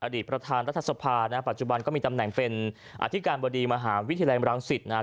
ประธานรัฐสภานะปัจจุบันก็มีตำแหน่งเป็นอธิการบดีมหาวิทยาลัยมรังสิตนะครับ